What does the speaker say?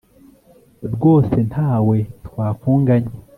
rwose, nta we twakunganya